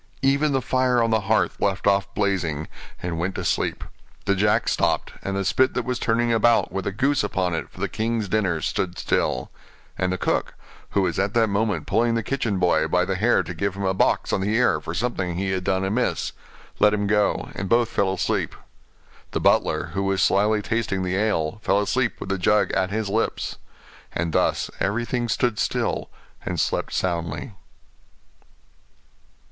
Even the fire on the hearth left off blazing, and went to sleep; the jack stopped, and the spit that was turning about with a goose upon it for the king's dinner stood still; and the cook, who was at that moment pulling the kitchen boy by the hair to give him a box on the ear for something he had done amiss, let him go, and both fell asleep; the butler, who was slyly tasting the ale, fell asleep with the jug at his lips: and thus everything stood still, and slept soundly.